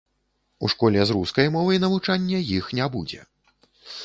У школе з рускай мовай навучання іх не будзе.